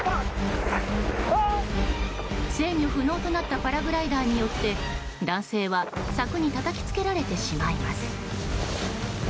制御不能となったパラグライダーによって男性は、柵にたたきつけられてしまいます。